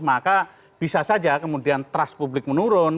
maka bisa saja kemudian trust publik menurun